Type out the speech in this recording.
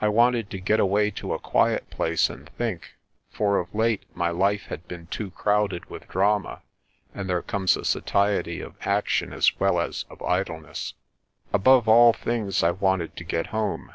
I wanted to get away to a quiet place and think, for of late my life had been too crowded with drama, and there comes a satiety of action as well as of idleness. Above all things I wanted to get home.